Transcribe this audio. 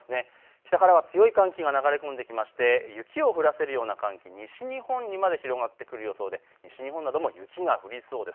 北からは強い寒気が流れ込んできまして雪を降らせるような寒気西日本にまで広がってくる予想で西日本なども雪が降りそうです。